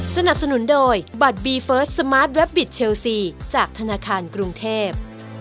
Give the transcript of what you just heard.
สนับสนุนโดยบัตรบีเฟิร์สสมาร์ทแวบบิตเชลซีจากธนาคารกรุงเทพ